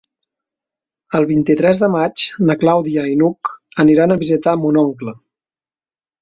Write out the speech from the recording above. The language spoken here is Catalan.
El vint-i-tres de maig na Clàudia i n'Hug aniran a visitar mon oncle.